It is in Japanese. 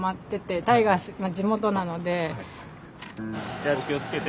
じゃあお気をつけて。